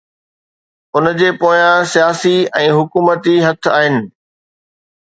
ان جي پويان سياسي ۽ حڪومتي هٿ آهن